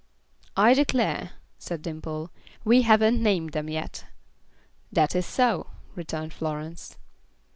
"I declare," said Dimple, "we haven't named them yet." "That is so," returned Florence.